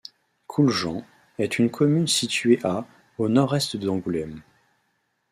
Coulgens est une commune située à au nord-est d'Angoulême.